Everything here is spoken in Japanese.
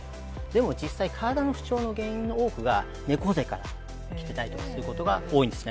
でも実際体の不調の原因の多くが猫背から来てたりすることが多いんです。